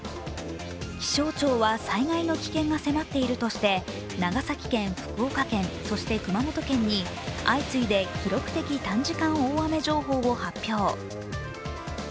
気象庁は災害の危険が迫っているとして長崎県、福岡県、そして熊本県に相次いで記録的短時間大雨情報を発表。